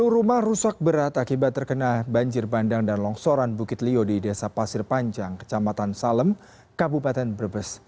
sepuluh rumah rusak berat akibat terkena banjir bandang dan longsoran bukit lio di desa pasir panjang kecamatan salem kabupaten brebes